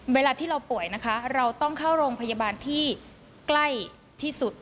เวลาที่เราป่วยนะคะเราต้องเข้าโรงพยาบาลที่ใกล้ที่สุด